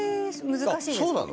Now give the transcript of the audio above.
難しいですか？